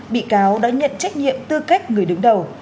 bị cáo đã nhận trách nhiệm tư cách người đứng đầu